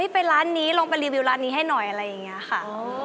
ไปร้านนี้ลงไปรีวิวร้านนี้ให้หน่อยอะไรอย่างนี้ค่ะ